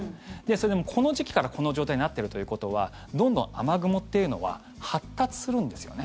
この時期から、この状態になっているということはどんどん雨雲っていうのは発達するんですよね。